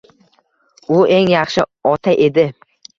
U eng yaxshi ota edi.